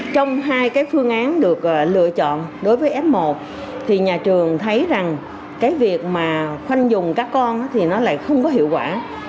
trong hai cái phương án được lựa chọn đối với f một thì nhà trường thấy rằng cái việc mà khoanh dùng các con thì nó lại không có hiệu quả